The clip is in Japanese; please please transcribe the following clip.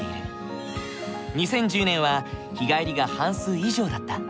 ２０１０年は日帰りが半数以上だった。